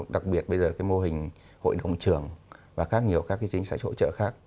đặc biệt bây giờ cái mô hình hội đồng trường và khác nhiều các chính sách hỗ trợ khác